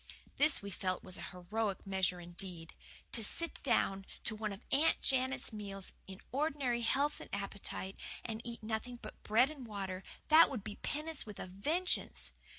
This, we felt, was a heroic measure indeed. To sit down to one of Aunt Janet's meals, in ordinary health and appetite, and eat nothing but bread and water that would be penance with a vengeance!